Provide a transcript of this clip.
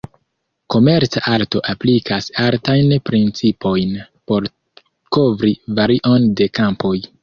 Komerca arto aplikas artajn principojn por kovri varion de kampoj.